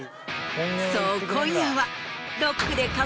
そう今夜は。